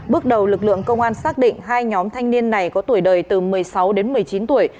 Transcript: bước đầu lực lượng công an xác định hai nhóm thanh niên này có tuổi đời từ một mươi sáu đến một mươi chín tuổi